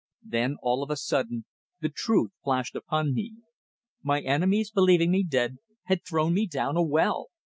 Then all of a sudden the truth flashed upon me. My enemies, believing me dead, had thrown me down a well!